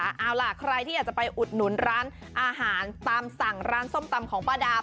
เอาล่ะใครที่อยากจะไปอุดหนุนร้านอาหารตามสั่งร้านส้มตำของป้าดาม